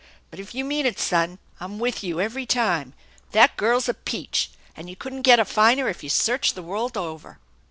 But if you mean it, son, I'm with you every time. That girl's a peach, and you couldn't get a finer if you searched the world over."